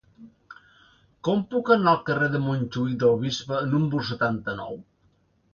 Com puc anar al carrer de Montjuïc del Bisbe número setanta-nou?